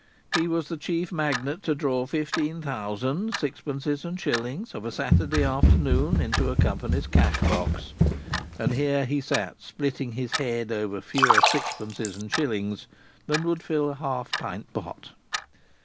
He was the chief magnet to draw fifteen thousand sixpences and shillings of a Saturday afternoon into a company's cash box, and here he sat splitting his head over fewer sixpences and shillings than would fill a half pint pot!